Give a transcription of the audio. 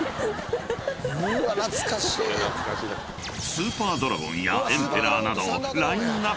［スーパードラゴンやエンペラーなど］